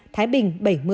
thái bình bảy mươi